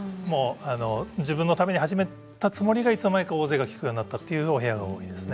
自分のために始めたつもりがいつの間にか大勢の人が聞くことになったという部屋も多いですね。